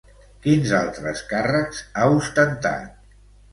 Quins altres càrrecs ha ostentat?